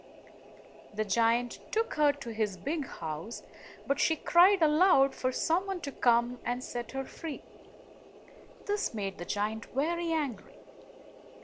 The giant took her to his big house, but she cried aloud for some one to come and set her free. This made the giant very angry.